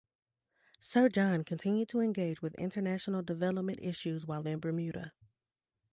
Sir John continued to engage with international development issues while in Bermuda.